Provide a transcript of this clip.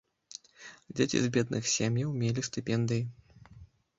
Дзеці з бедных сем'яў мелі стыпендыі.